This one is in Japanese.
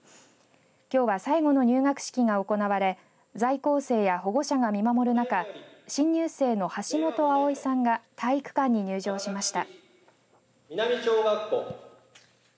きょうは最後の入学式が行われ在校生や保護者が見守る中新入生の橋本葵さんが体育館に入場しました。